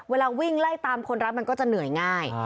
เวลาวิ่งไล่ตามคนรักมันก็จะเหนื่อยง่าย